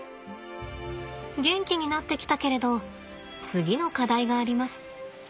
元気になってきたけれど次の課題があります。